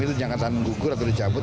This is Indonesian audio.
sim itu jangan jangan mengukur atau dijabut